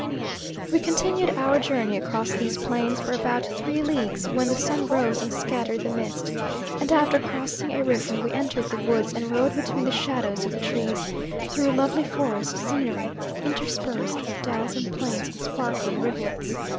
We continued our journey across these plains for about three leagues, when the sun rose and scattered the mist; and after crossing a river, we entered the woods and rode between the shadows of the trees, through lovely forest scenery, interspersed with dells and plains and sparkling rivulets.